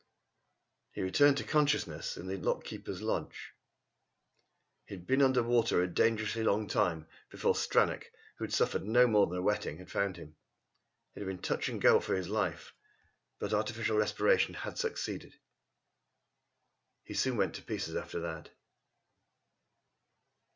He returned to consciousness in the lock keeper's lodge. He had been under water a dangerously long time before Stranack, who had suffered no more than a wetting, had found him. It had been touch and go for his life, but artificial respiration had succeeded. He soon went to pieces after that.